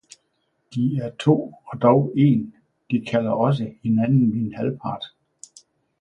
De er to og dog n, de kalder også hinanden min halvpart